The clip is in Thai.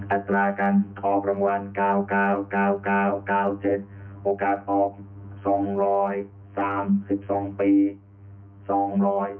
อัตรากันออกรางวัล๙๙๙๙๙๗โอกาสออก๒๓๒ปี